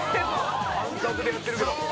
感覚でやってるけど。